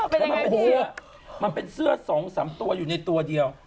เป็นยังไงพี่โอ้โฮมันเป็นเสื้อ๒๓ตัวอยู่ในตัวเดียว